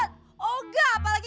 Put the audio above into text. kagak mau pindah